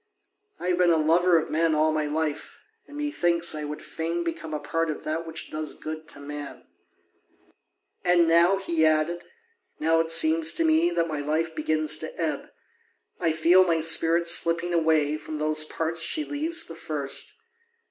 I have been a lover of men all my life, and methinks I would fain become a part of that which does good to man. And now," he added, "now it seems to me that my life begins to ebb; I feel my spirit slipping away from those parts she leaves the first.